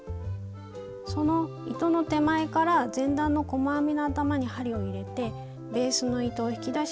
その糸の手前から前段の細編みの頭に針を入れてベースの糸を引き出し